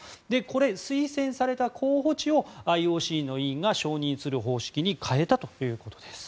これ、推薦された候補地をＩＯＣの委員が承認する方式に変えたということです。